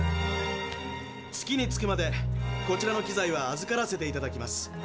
月に着くまでこちらの機材は預からせていただきます。